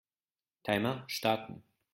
Timer starten.